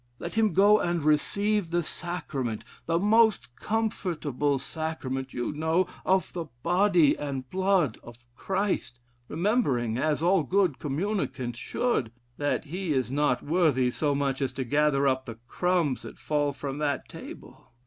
Let him go and receive the Sacrament, the most comfortable Sacrament, you know, 'of the body and blood of Christ,' remembering, as all good communicants should, 'that he is not worthy so much as to gather up the crumbs that fall from that table.'